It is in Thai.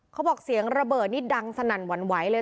เขาบอกเสียงระเบิดนี่ดังสนั่นหวั่นไหวเลย